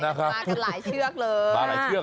มากันหลายเชือก